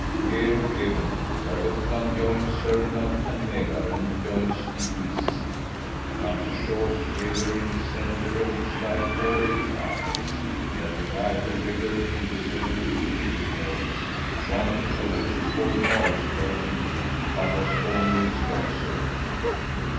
Here, Clement, where Uppland joins Sörmland and Mälaren joins the East Sea, comes a short river, in the centre of which lie four little islets that divide the river into several tributaries one of which is called Norriström but was formerly Stocksund.